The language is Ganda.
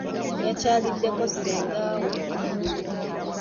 Yakyaliddeko ssengaawe eggulo.